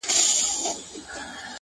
نه یو غزله جانانه سته زه به چیري ځمه!!